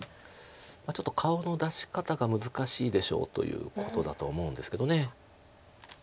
ちょっと顔の出し方が難しいでしょうということだと思うんですけど。